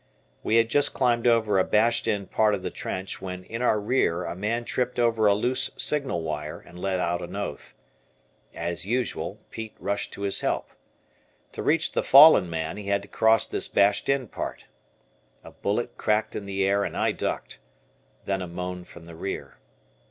We had just climbed over a bashed in part of the trench when in our rear a man tripped over a loose signal wire, and let out an oath. As usual, Pete rushed to his help. To reach the fallen man, he had to cross this bashed in part. A bullet cracked in the air and I ducked. Then a moan from the rear.